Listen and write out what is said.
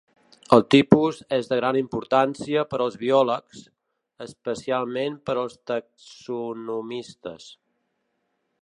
El tipus és de gran importància per als biòlegs, especialment per als taxonomistes.